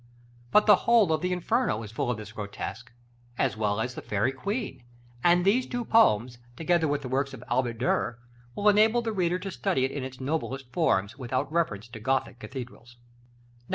But the whole of the "Inferno" is full of this grotesque, as well as the "Faërie Queen;" and these two poems, together with the works of Albert Durer, will enable the reader to study it in its noblest forms, without reference to Gothic cathedrals.